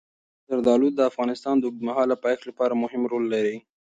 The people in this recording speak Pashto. زردالو د افغانستان د اوږدمهاله پایښت لپاره مهم رول لري.